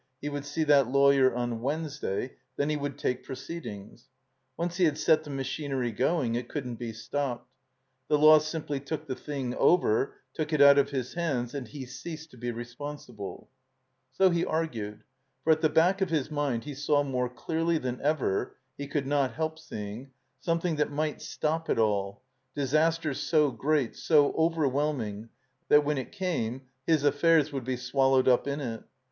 He would see that lawyer on Wednesday. Then he would take proceedings. Once he had set the ma chinery going it cotddn't be stopped. The law simply took the thing over, took it out of his hands, and he ceased to be responsible. So he argued; for at the back of his mind he saw more clearly than ever (he could not help seeing) something that might stop it all, disaster so great, so overwhelming that when it came his affairs woxild be swallowed up in it.